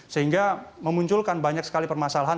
sehingga memunculkan banyak sekali permasalahan